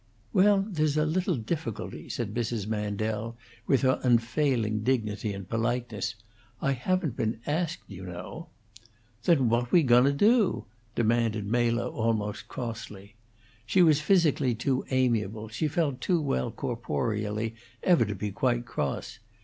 "Well, there's a little difficulty," said Mrs. Mandel, with her unfailing dignity and politeness. "I haven't been asked, you know." "Then what are we goun' to do?" demanded Mela, almost crossly. She was physically too amiable, she felt too well corporeally, ever to be quite cross.